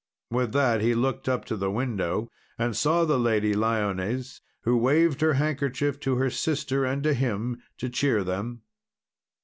With that, he looked up to the window, and saw the Lady Lyones, who waved her handkerchief to her sister and to him to cheer them.